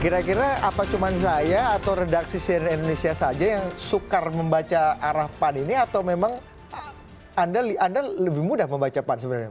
kira kira apa cuma saya atau redaksi cnn indonesia saja yang sukar membaca arah pan ini atau memang anda lebih mudah membaca pan sebenarnya